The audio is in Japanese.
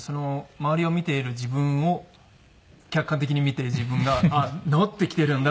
周りを見ている自分を客観的に見て自分があっ治ってきているんだ